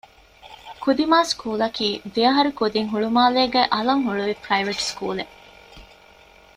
ކުދިމާ ސްކޫލަކީ ދެއަހަރު ކުދިން ހުޅުމާލޭގައި އަލަށް ހުޅުވި ޕްރައިވެޓް ސްކޫލެއް